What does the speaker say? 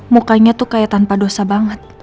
mukanya tuh kayak tanpa dosa banget